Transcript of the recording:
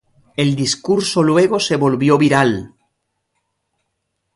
El discurso luego se volvió viral.